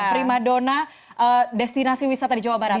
primadona destinasi wisata di jawa barat